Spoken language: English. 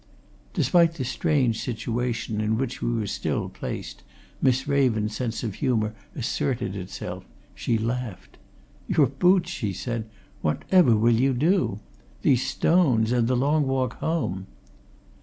Despite the strange situation in which we were still placed, Miss Raven's sense of humour asserted itself; she laughed. "Your boots!" she said. "Whatever will you do? These stones! and the long walk home?"